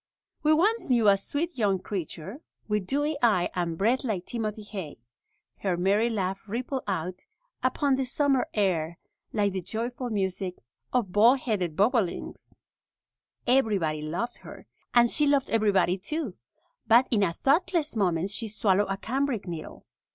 We once knew a sweet young creature, with dewy eye and breath like timothy hay. Her merry laugh rippled out upon the summer air like the joyful music of baldheaded bobolinks. Everybody loved her, and she loved everybody too. But in a thoughtless moment she swallowed a cambric needle.